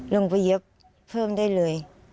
ลงไปเย็บเพิ่มได้เลย